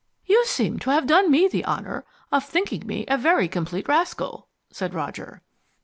"You seem to have done me the honour of thinking me a very complete rascal," said Roger.